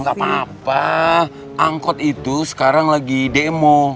oh gak apa apa angkot itu sekarang lagi demo